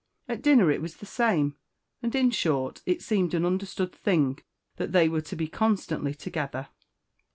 At dinner it was the same; and in short it seemed an understood thing that they were to be constantly together.